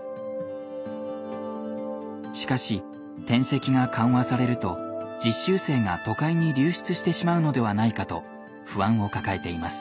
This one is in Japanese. しかし転籍が緩和されると実習生が都会に流出してしまうのではないかと不安を抱えています。